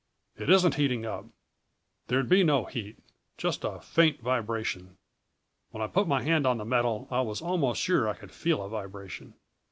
"It isn't heating up. There'd be no heat just a faint vibration. When I put my hand on the metal I was almost sure I could feel a vibration.